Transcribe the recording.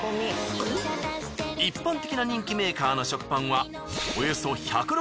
一般的な人気メーカーの食パンは。